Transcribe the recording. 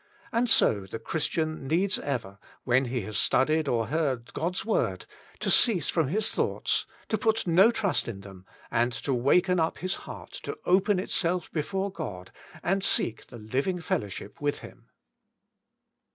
And so the Chris tian needs ever, when he has studied or heard Grod's word, to cease from his thoughts, to put WAITING ON GODI no tnist in them, and to waken up his heart to open itself before God, and seek the living fellowship with Him.